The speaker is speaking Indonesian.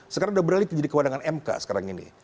sekarang sudah beralih menjadi kewenangan mk sekarang ini